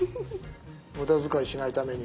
無駄遣いしないために。